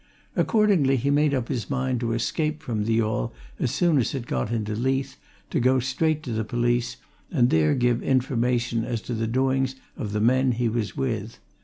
Accordingly, he made up his mind to escape from the yawl as soon as it got into Leith, to go straight to the police, and there give information as to the doings of the men he was with.